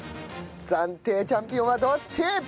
暫定チャンピオンはどっち！？